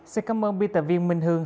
xin cảm ơn biên tập viên minh hương